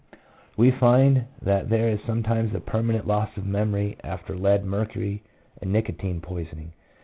We find that there is sometimes a perman ent loss of memory after lead, mercury, and nicotine poisoning.